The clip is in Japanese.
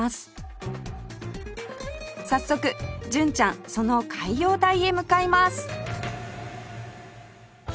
早速純ちゃんその海洋大へ向かいます